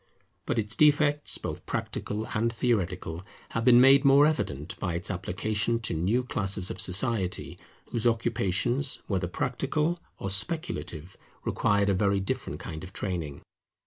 But its defects, both practical and theoretical, have been made more evident by its application to new classes of society, whose occupations, whether practical or speculative, required a very different kind of training.